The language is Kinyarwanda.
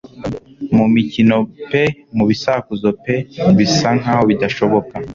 Mu mikino pe mu bisakuzo pe bisa nkaho bidashoboka;